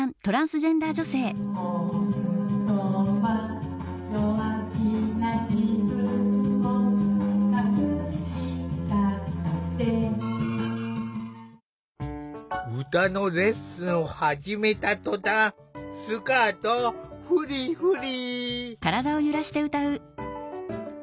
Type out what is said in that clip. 本当は弱気な自分を隠したくて歌のレッスンを始めた途端スカートをふりふり。